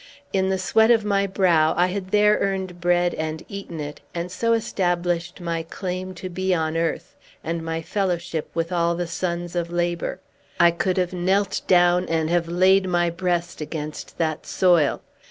In the sweat of my brow I had there earned bread and eaten it, and so established my claim to be on earth, and my fellowship with all the sons of labor. I could have knelt down, and have laid my breast against that soil.